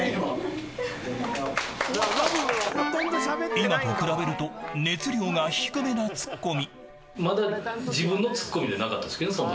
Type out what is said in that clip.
今と比べると熱量が低めなツッコミ。